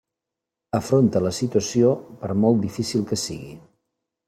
Afronta la situació per molt difícil que sigui.